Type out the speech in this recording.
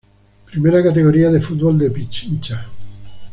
Primera categoría de fútbol de Pichincha.